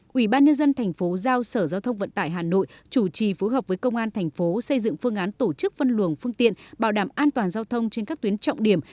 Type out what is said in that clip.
quỹ ban nhân dân thành phố giao sở giao thông vận tải hà nội chủ trì phối hợp với công an thành phố xây dựng phương án tổ chức phân luồng phương tiện bảo đảm an toàn giao thông trên các tuyến trọng điểm